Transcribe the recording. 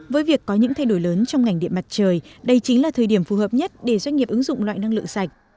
với việc có những thay đổi lớn trong ngành điện mặt trời đây chính là thời điểm phù hợp nhất để doanh nghiệp ứng dụng loại năng lượng sạch